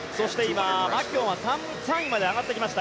マキュオンは３位まで上がってきました。